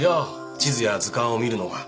地図や図鑑を見るのが